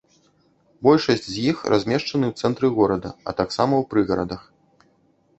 Большасць з іх размешчаны ў цэнтры горада, а таксама ў прыгарадах.